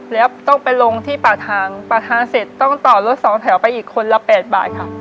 แล้วต้องไปลงที่ปากทางป่าทางเสร็จต้องต่อรถสองแถวไปอีกคนละแปดบาทค่ะ